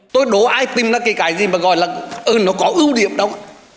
tôi đố ai tìm ra cái cái gì mà gọi là ơn nó có ưu điểm đâu